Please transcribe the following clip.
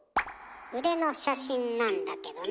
腕の写真なんだけどね。